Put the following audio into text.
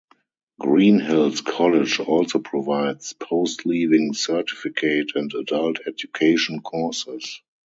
Greenhills College also provides Post Leaving Certificate and adult education courses.